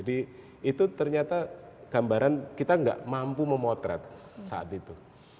itu ternyata gambaran kita nggak mampu memotret saat itu